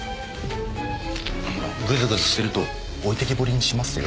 グズグズしてると置いてきぼりにしますよ。